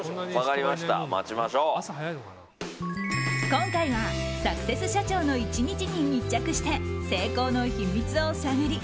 今回はサクセス社長の１日に密着して成功の秘密を探り